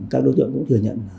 các đối tượng cũng thừa nhận